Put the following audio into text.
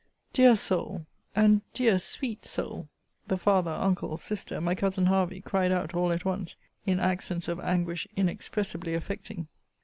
Dear soul! and Dear sweet soul! the father, uncles, sister, my cousin Hervey, cried out all at once, in accents of anguish inexpressibly affecting.